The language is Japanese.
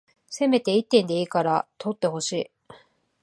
せめて一点でいいから取ってほしい